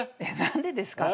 何でですか？